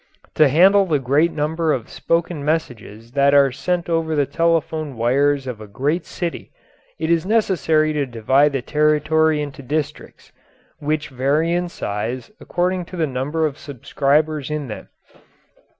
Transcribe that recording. To handle the great number of spoken messages that are sent over the telephone wires of a great city it is necessary to divide the territory into districts, which vary in size according to the number of subscribers in them.